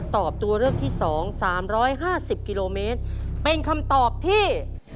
ตอบตัวเลือกที่๒๓๕๐กิโลเมตรเป็นคำตอบที่